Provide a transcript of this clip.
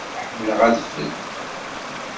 Ḥemmleɣ adfel.